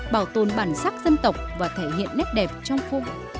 bảo tồn bản sắc dân tộc và thể hiện nét đẹp trong phụ